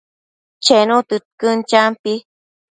Chenu tëdquën, champi